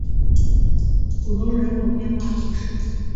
古东人口变化图示